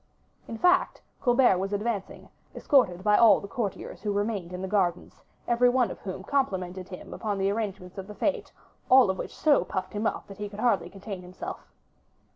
In fact, Colbert was advancing, escorted by all the courtiers who remained in the gardens, every one of whom complimented him upon the arrangements of the fete: all of which so puffed him up that he could hardly contain himself.